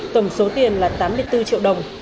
tổng số tiền là tám mươi bốn triệu đồng